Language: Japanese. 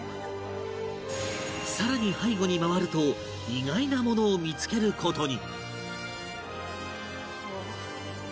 さらに背後に回ると意外なものを見つける事に